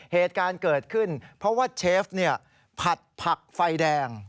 เหตุการณ์เกิดขึ้นเพราะว่าเชฟผัดผักไฟแดง